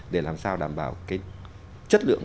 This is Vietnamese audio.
để làm sao đảm bảo cái chất lượng